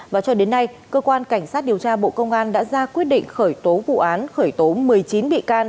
và cho đến nay cơ quan cảnh sát điều tra bộ công an đã ra quyết định khởi tố vụ án khởi tố một mươi chín bị can